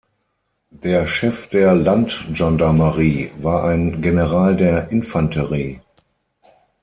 Der "Chef der Landgendarmerie" war ein General der Infanterie.